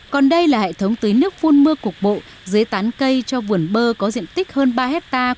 còn đây là hệ thống tưới nước phun mưa cục bộ dưới tán cây cho vườn bơ có diện tích hơn ba hectare